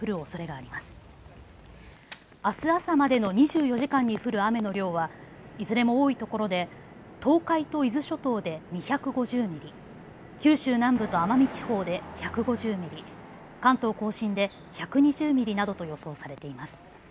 あす朝までの２４時間に降る雨の量はいずれも多いところで東海と伊豆諸島で２５０ミリ、九州南部と奄美地方で１５０ミリ、関東甲信で１２０ミリなどと予想されています。